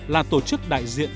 là tổ chức đại diện